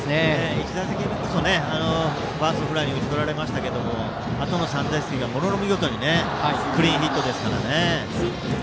１打席目こそファーストフライに打ち取られましたがあとの３打席がものの見事にクリーンヒットですからね。